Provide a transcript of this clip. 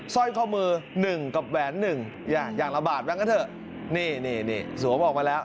สร้อยเข้ามือ๑กับแหวน๑อย่างละบาทนั้นก็เถอะนี่สวมออกมาแล้ว